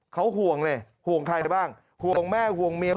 เขาห่วงเลยห่วงใครบ้างห่วงแม่ห่วงเมีย